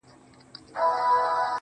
• زه به د ميني يوه در زده کړم.